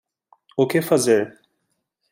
O que fazer